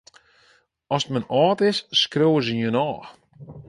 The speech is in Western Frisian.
Ast men âld is, skriuwe se jin ôf.